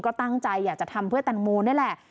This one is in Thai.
ก็ตั้งใจอยากจะทำเพื่อแตงโมนี่แหละ